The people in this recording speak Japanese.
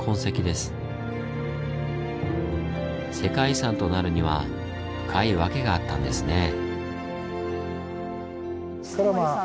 世界遺産となるには深い訳があったんですねぇ。